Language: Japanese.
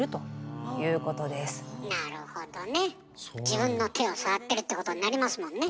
自分の手を触ってるってことになりますもんね。